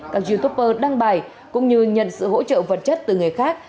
các youtuper đăng bài cũng như nhận sự hỗ trợ vật chất từ người khác